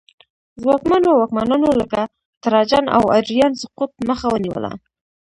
ځواکمنو واکمنانو لکه تراجان او ادریان سقوط مخه ونیوله